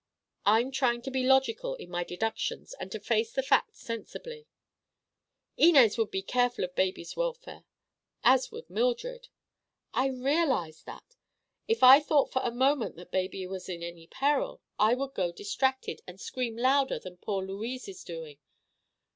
I'm trying to be logical in my deductions and to face the facts sensibly." "Inez would be as careful of baby's welfare as would Mildred." "I realize that. If I thought for a moment that baby was in any peril I would go distracted, and scream louder than poor Louise is doing.